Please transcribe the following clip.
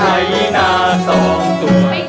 หายหน้าสองสูง